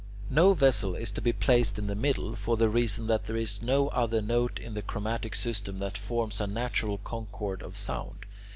No vessel is to be placed in the middle, for the reason that there is no other note in the chromatic system that forms a natural concord of sound.